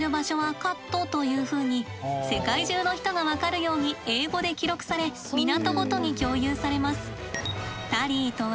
世界中の人が分かるように英語で記録され港ごとに共有されます。